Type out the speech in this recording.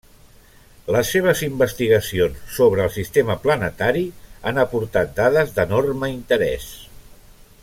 Les seves investigacions sobre el sistema planetari han aportat dades d'enorme interès.